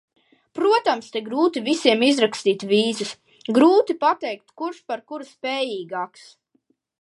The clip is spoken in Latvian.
Protams, te grūti visiem izrakstīt vīzas, grūti pateikt, kurš par kuru spējīgāks.